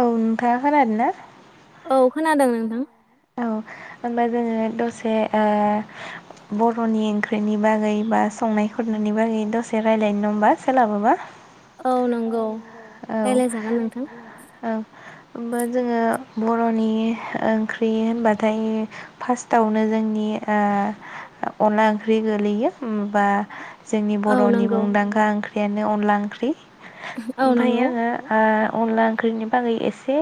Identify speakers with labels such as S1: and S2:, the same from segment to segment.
S1: औ नोंथाङा खोनादों ना
S2: औ खोनादों नोंथां।
S1: औ होमबा जोङो दसे ओ बर'नि ओंख्रिनि बागै बा संनाय खुरनायनि बागै दसे रायज्लायनो नङा होनबा सोलाबोबा।
S2: औ नंगौ।
S1: औ औ ओमबा जोङो बर'नि ओं बे होनबाथाय फार्स्टआवनो जोंनि ओ अनला ओंख्रि गोलैयो बा जोंनि बर'नि मुंदांखा ओंख्रि ओयानो अनला ओंख्रि ओमफ्राय आङो आ अनला ओंख्रिनि बागै एसे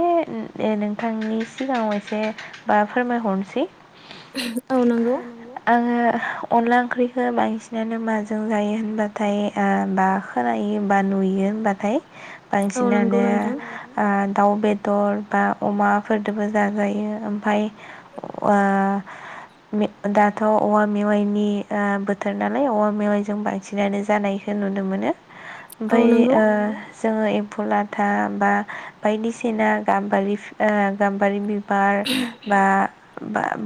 S1: नोंथांनि सिगाङाव एसे बा फोरमायहरनोसै। आङो अनला ओंख्रिखौ बांसिनानो माजों जायो होनबाथाय बा खोनायो ओ बा नुयो होनबाथाय बांसिनानो ओ दाउ बेदर बा अमाफोरजोंबो जाजायो ओमफाय ओ मे दाथ' औवा मेवाइनि बोथोर नालाय औवा मेवाइजों बांसिनानो जानायखो नुनो मोनो। ओमफ्राय ओ जोङो एम्फौ लाथा बा बायदिसिना गाम्बारि ओ गाम्बारि बि बार बा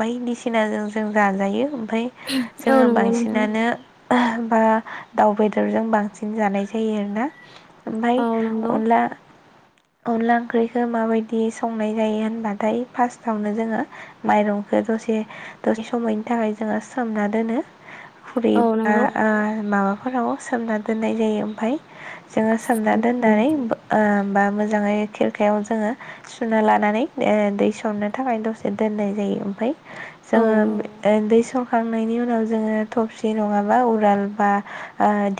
S1: बायदिसिनाजों जों जाजायो। ओमफाय जोङो बांसिनानो बा दाउ बेदरजों बांसि जानाय जायो आरोना ओमफाय अनला अनला ओंख्रिखौ माबायदि संनाय जायो होनबाथाय मायरंखौ दसे समनि थाखाय सोमना दोनो। [unintelligible] हफोराव सोमना दोननाय जायो ओमफफ्राय सोमना दोननानै ओ होमबा मोजाङै खिरखायाव जोङो सुना लानानै ओ दै सर'नो थाखाय दसे दोननाय जायो ओमफाय जोङो उ दैै सरखांनायनि उन उनाव जोङो थबसि नङाबा उराल बा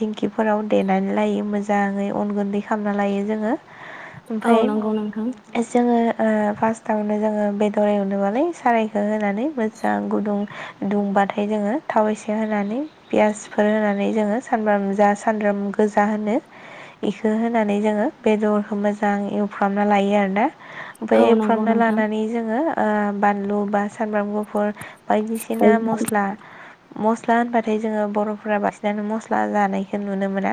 S1: दिंखिफोराव देनानै लायो मोजाङै। अन गुन्दै खामना लायो जोङो। ओमफाय औ नंगौ नोंथां जोङो। ओ फार्स्टआवनो जोङो बेदर एवनोबालाय सारायखौ होनानै मोजां गुदुं दुंबाथाय जोङो थाव एसे होनानै पियासफोर होनानै जोङो सानब्राम जा सानब्राम गोजा होनो बेखौ होनानै जोङो बेदरखौ मोजां एवफ्रामना लायो आरोना। ओमफ्राय एवफ्रामना लानानै जोङो ओ बानलु बा सामब्राम गुफुर बायदिसिना मस्ला मस्ला होनबाथाय जोङो बर'फोरा बांसिनानो मस्ला जानायखौ नुनो मोना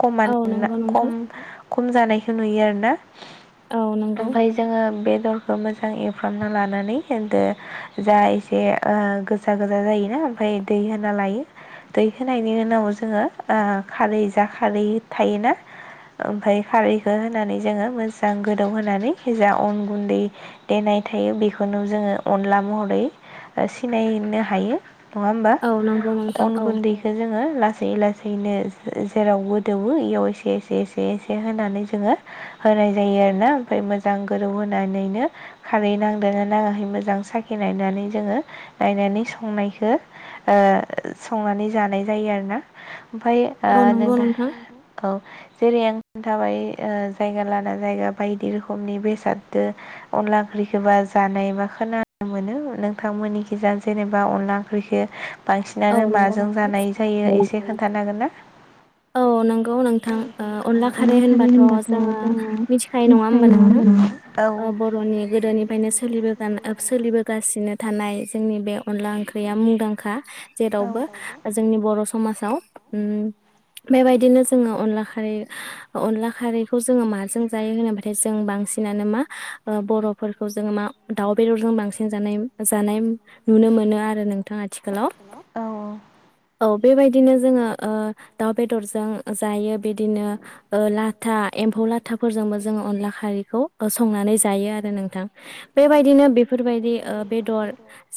S1: खम
S2: औ नंगौ नोंथां।
S1: खम जानायखौ नुयो आरोना ओमफाय जोङो बेदर मोजां एवफ्रामना लानानै दो जा एसे गोजा गोजा जायोना ओमफ्राय दै होना लायो दै होनायनि उनाव जोङो खारै जा खारै थायोना ओमफ्राय खारैखौ होनानै जोङो मोजां गोदौ होनोनानै जा अन गुन्दै देनाय थायो बेखौनो जोङो अनला महरै सिनायनो हायो। नङा होमबा अन गुन्दैखौ जोङो लास लासै लासैनो जेरावबो दौवो इयाव एसे एसे एसे एसे होनानै जोङो होनाय जायो आरो ना ओमफ्राय मोजां गोदौ होनानैनो खारै नांदोना नाङाखै मोजां साखि नायनानै जोङो नायनानै संनायखौ संनानै जानाय जायो आरोना। ओमफाय ओ नों दा औ जेरै आं खोन्थाबाय जायगा लाना जायगा बायदि रोखोमनि बेसाददो अनला ओंख्रिखौ बा जानाय बा खोनानो मोनो नोंथांमोननिखिजा जेनेबा अनला ओंख्रिखौ बांसिनानो माजों जानाय जायो एसे खोन्थानोागोन ना?
S2: औ नंगौ नोंथां अनला खारै होनबाथ जोङो मिथिखायो नङा होमबा नोंथां बर'नि गोदोनिफ्रायनो सोलिबोखानाय औ सोलिबोगासिनो थानाय जोंनि बे अनला ओंख्रिआ मुंदांखा। जेरावबो जोंनि बर समाजआव उम बेबायदिनो जोङो अनलाखौ खारै अनला खारैखौ माजों जायो होनोबाथाय जों बांसिननानो मा बर'फोरखौ जों मा दाव बेदेरफोरजों बांसिन जानाय जानाय नुनो मोनो आरो नोंथां आथिखालाव औ बेबायदिनो जोङो ओ दाउ बेदरजों जायो बिदिनो लाथा एम्फौ लाथाफोरजोंबो जोङो अनला खारैखौ संनानै जायो आरो नोंथां बेबायदिनो बेफोरबायदि ओ बेदर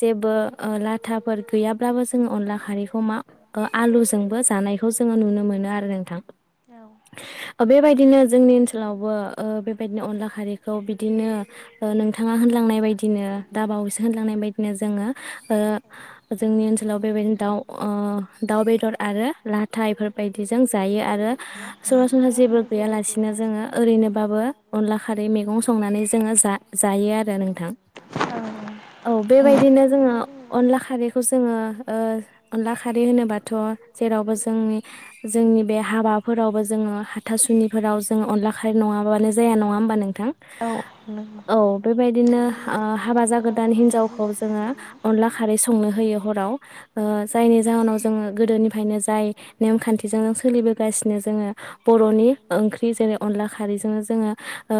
S2: जेबो लाथाफोर गैयाब्लाबो जों अनला खारैखौ मा आलुजोंबो जानाय जों नुनो मोनो आरो नोंथां ओ बेबायदिनो बिदिनो [unintelligible] बादि जों जायो आरो सोरबा सोरबा जेबो गैयालासेनो जोंङो ओरैनोबाबो अनला खारै
S1: [unintelligible]
S2: जोंनि जोंनि बे हाबाफोरावबो जोंङो हाथासुनिफोराव जोंङो अनला खारै नङाबानो जाया नङा होमबा नोंथां औ बेबायदिनो हाबा जागोदान हिन्जावखौ जोङो अनला खारै संनो होयो हराव जायनि जाहोनाव जोङो गोदोनिफ्रायनो जाय खान्थिजोंनो सोलिबोगासिनो जोंङो बर'नि ओंख्रि जेरै अनला खारैजोंनो जोंङो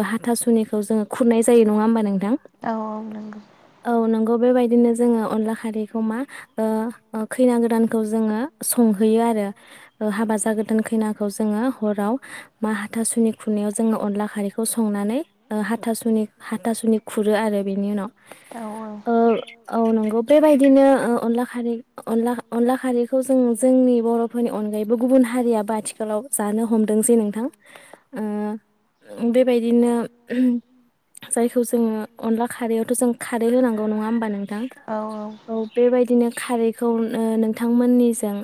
S1: हुनाय जायो नङा होनबा नोंथां औ नगौ औं नंगौ बेबायदिनो जोंङो अनला खारैखौ खैना गोदानखौ जोंङो संहोयो
S2: हाबा जागोदान खैनाखौ जोङो हराव मा हाथासुनि खुनायाव जोङो अनला खारैखौ सं नानै हाथासुनि हाथासुनि खुरो आरो बेनि उनाव ओ औ नंगौ बेबादिनो अनला खारै अनला अनला खारैखौ जों जोंनि बर' फोरनि अनगायैबो गुबुन हारियाबो आथिखालाव जानो हमदों जे नोंथां बे बेबायदिनो जायखौ जोङो अनला खारैयावथ' जों खारै होनांगौ नङा होमबा नोंथां औ बेबायदिनो खारैखौ नोंथांमोननिजों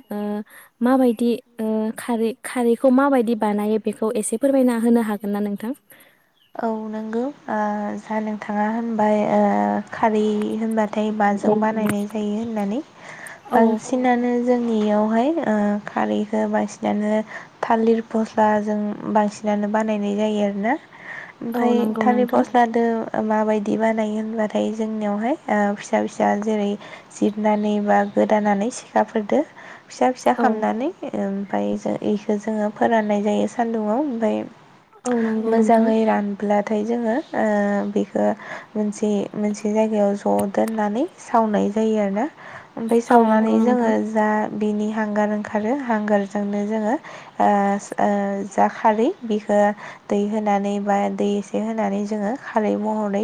S2: माबायदि खारै खारैखौ माबायदि बानायो बेखौ एसे फोरमायना होनो हागोन ना नोंथां
S1: औ नंगौ जा नोंथाङा होनबाय खारि होनबा फाथाय माजों बानायनाय जायो होननानै बांसिनानो जों नेयावहाय खारैखौ बांसिनानो थालिर फस्लाजों बांसिनानो बानायनाय जायो आरोना ओमफाय थाललि फस्लादो माबायदि बानायो होनब्लाथाय जोंनियावहाय फिसा फिसा जेरै जिरनानै बा गोदानानै सिखाफोरदो फिसा फिसा खामनानै ओमफायजो इखौ जोंङो फोराननाय जायो सान्दुंआव ओमफाय
S2: औ नंगौ
S1: मोजाङै रानब्ला नाथाय जोङो ओ बेखौ मोनसे मोनसे जायगायाव ज' दोननानै सावनाय जायो आर ना। ओमफ्राय सावनानै जोङो जा बिनि हांगार ओंखारो हांगारजोंनो जोङो ओ ओ जा खारै बिखो दै होनानै बा दै एसे होनानै जोंङो खारै महरै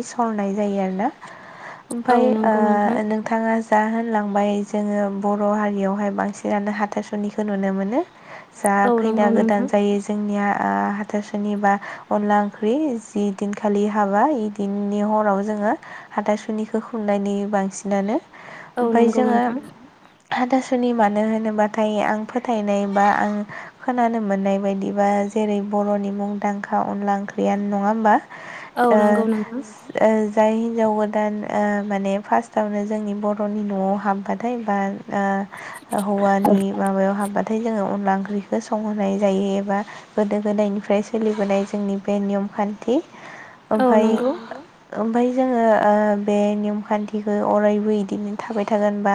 S1: ओमफाय ओ नोंथाङा दा होनलांबाय जोङो बर' हारियावहाय बांसिनानो हाथासुनिखौ नुनो मोनो। जा खैना गोदान जायो जोंनिया ओ हाथासुनि बा अनला ओंख्रि जि दिनखालि हाबा इदिननि हराव जोङो हाथासुनिखौ खुंनायनि बांसिनानो ओमफाय जोङो हादासुनि मानो होनोबाथाय आं फोथायनाय बा आं खोनानो मोननाय बायदिबा जेरै बर'नि मुं दांखा अनला ओं ओंख्रैआनो नङा होमबा? ओ जाय हिन्जाव गोदान ओ माने फार्स्टआवनो जोंनि बर'नि न'आव हाबबाथाय बा ओ हौवानि माबायाव हाबा नथाय जोङो अनला ओंख्रिखौ संहोनाय जायो एबा गोदो गोदायनिफ्राय सोलिबोनाय जोंनि बे नियम खान्थि। ओमफाय ओमफाय जोङो ओ बे नियमखान्थिखौ अरायबो बिदिनो थाबाय थागोनबा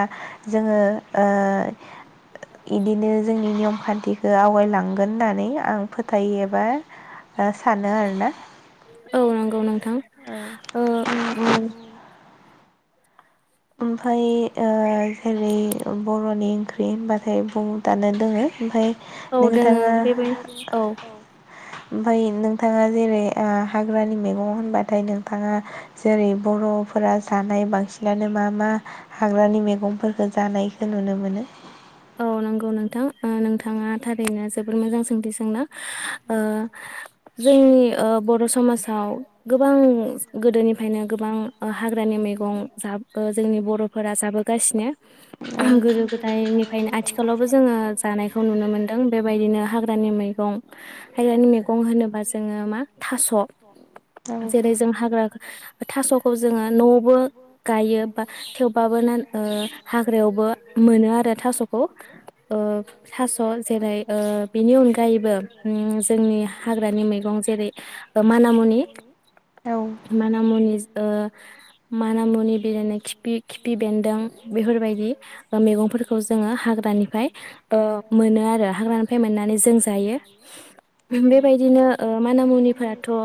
S1: जोङो ओ इदिनो जोंनि नियम खान्थिखौ आवगायलांगोन होननानै आं फोथायो एबा
S2: औ नंगौ नोंथां ओ औ
S1: ओमफाय ओ जेरै बर'नि ओंख्रि होनबाथाय ब दानो दोङो ओमफाय
S2: औ दोङो बेबाय औ
S1: ओमफाय नोंथाङा जेरै ओ हाग्रानि मैगं होनबाथाय नोंथाङा जेरै बर'फोरा जानाय बांसिनानो मा मा हाग्रानि मैगंफोरखौ जानायखौ नुनो मोनो?
S2: औ नंगौ नोंथां नोंथाङा थारैनो जोबोद मोजां सोंथि सोंदों ओ जोंनि बर' ओ समाजाव गोबां गोदोनिफ्रायनो गोबां हाग्रानि मैगं जोंनि बर'फोरा जाबोगासिनो। गोदो गोदायनि ओंखायनो आथिखालावबो जोङो जानायखौ नुनो मोन्दों बेबायदिनो हाग्रानि मै दं हायगानि मेगं गं होनोबा जोङो मा थास' जेरै जों हाग्रा थास'खौ जोङो न'आवबो गायो बा थेवबाबो न' ओ हाग्रायावबो मोनो आरो थास'खौ। खौ ओ थास' जेरै ओ बेनि अनगायैबो ओम जोंनि हाग्रानि मैगं जेरै ओ माना मु मुनि मानामुनिज ओ मानामुनि बिदिनो खिपि खिफि बेन्दों बेफोरबायदि मैगंफोरखौ जोङो हाग्रानिफ्राय ओ मोनो आरो हाग्रानिफ्राय मोननानै जों जायो बेबायदिनो ओ माना मुनिफोराथ'ओ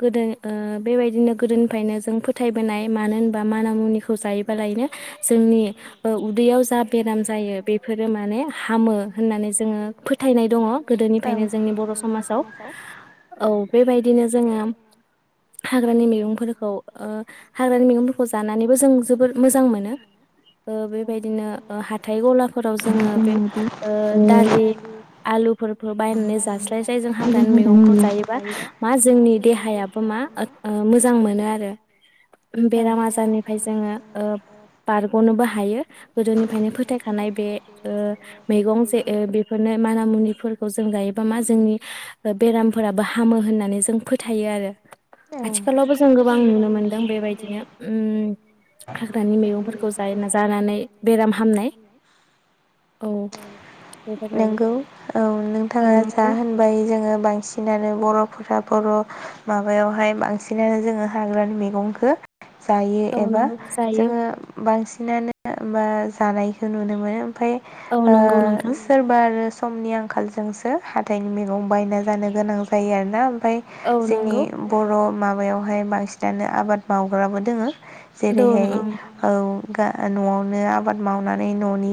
S2: गोदो ओ बेबायदिनो गोदोनिफ्रायनो जों फोथायबोनाय मानो होनबा माना मुनिखौ जायोबालायनो जोंनि ओ उदैयाव जा बेराम जायो बेफोरो माने हामो होननानै जोङो फोथायनाय दङ गोदोनिफ्रायनो जोंनि बर' समाजाव औ बेबायदिनो जोङो हाग्रानि मैगंफोरखौ ओ हाग्रानि मैगंफोरखौ जानानैबो जों जोबोद मोजां मोनो ओ बेबायदिनो ओ हाथाय गलाफोराव जोङो बे ओ दालि आलुफोरखौ बायनानै जास्लायस्लाय जों हाग्रानि मैगंखौ जायोबा मा जोंनि देहायाबो मा ओ-ओ मोजां मोनो आरो बेराम आजारनिफ्राय जोङो ओ बारग'नोबो हायो गोदोनि फायनो फोथायखानाय बे ओ मैगं जे ओ बेफोरनो माना मुनिफोरखौ जों योबा मा जोंनि ओ बेरामफोराबो हामो होननानै जों फोथायो आरो आथिखालावबो जों गोबां नुनो मोनदों बेबायद दिनो ओम हाग्रानि मैगंफोरखौ जायोना जानानै बेराम
S1: हामनाय औ नंगौ औ नोंथाङा जा होनबाय जोङो बांसिनानो बर'फोरा बर' माबायावहाय बांसिनानो जोङो हाग्रानि मैगंखो जायो एबा जोङो बांसि सिनानो बा जानायखौ नुनो मोनो फाय ओ सोरबा आरो समनि आंखालजोंसो हाथाइनि मैगं बायना जानो गोनां जायो आरोना ओमफाय जोंनि बर' माबायावहाय बांसिनानो आबाद बावग्राबो दोङो जेरैहाय औ गा न'आवनो आबाद मावनानै न'नि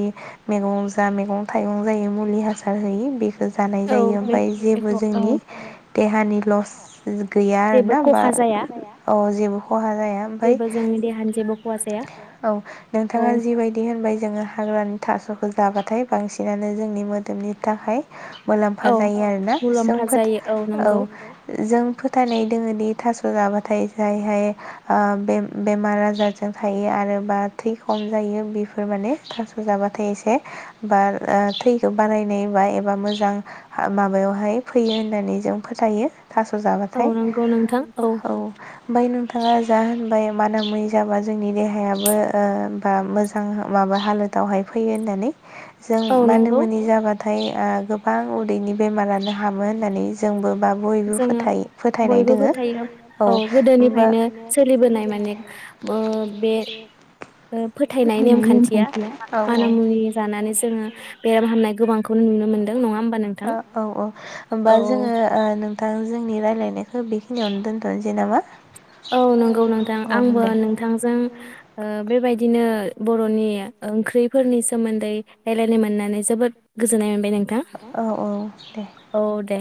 S1: मैगं जा मैगं थाइगं जायो मुलि हासार होयि बे खो जानाय जायो ओमफाय जेबो जोंनि देहानि लस गैया आरोना बा जेबो खहा जाया अ जेबो खहा जाया ओमफाय जेबो जोंनि देहानि जेबो खहा जाया औ नोंथाङा जिबायदि होनबाय जोङो हाग्रानि थास'खौ जाबाथाय बांसिनानो जोंनि मोदोमनि थाखाय मुलाम्फा जायो आरोना जों फोथा औ जों फोथायनाय दोङोदि थास' जाबाथाय जायहाय ओ बे बेमार आजारजों थायो आरो बा थै खम जायो बेफोर माने थास' जाबाथाय एसे बा ओ थैखौ बारायनाय एबा एबा मोजां आ माबायावहाय फैयो होननानै जों फोथायो थास' जाबाथाय औ नंगौ नोंथां औ ओमफाय नों जा होनबाय मानो मै जाबा जोंनि देहायाबो ओ बा मोजां माबा हालोदावहाय फैयो होननानै जों मानो मोनि जाबाथाय आ गोबां उदैनि बेमारानो हामो होननानै जोंबो बा बयबो फथाय-फोथायनाय दोङो औ होमबा
S2: नो सोलिबोनाय माने ओ बे ओ फोथायनाय नेमखान्थिया मान मुनि जानानै जोङो बेराम हामनाय गोबांखौनो नुनो मोनदों नङा होम
S1: ओ औ औ होमबा जोङो ओ नोंथां जोंनि रायलायनायखौ बेखिनियावनो दोनथनसै नामा
S2: औ नंगौ नोंथां आंबो नोंथांजों ओ बेबायदि दिनो बर'नि ओंख्रैफोरनि सोमोन्दै रायलायनो मोननानै जोबोद गोजोननाय बाय नोंथां औ दे